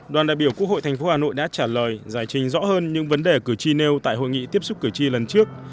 đoàn đại biểu quốc hội tp hà nội đã trả lời giải trình rõ hơn những vấn đề cử tri nêu tại hội nghị tiếp xúc cử tri lần trước